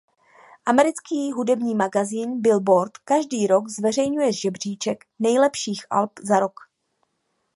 Americký hudební magazín Billboard každý rok zveřejňuje žebříček nejlepších alb za rok.